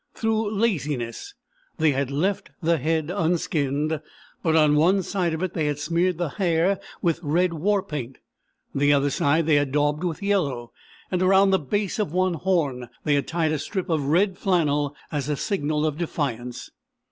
Through laziness they had left the head unskinned, but on one side of it they had smeared the hair with red war paint, the other side they had daubed with yellow, and around the base of one horn they had tied a strip of red flannel as a signal of defiance.